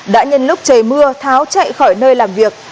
đã nhân lúc trời mưa tháo chạy khỏi nơi làm việc